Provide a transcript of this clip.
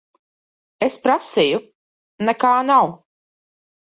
Es prasīju. Nekā nav.